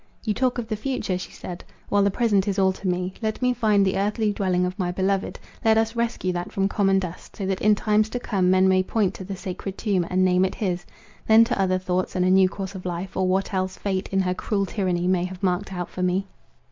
"You talk of the future," she said, "while the present is all to me. Let me find the earthly dwelling of my beloved; let us rescue that from common dust, so that in times to come men may point to the sacred tomb, and name it his—then to other thoughts, and a new course of life, or what else fate, in her cruel tyranny, may have marked out for me."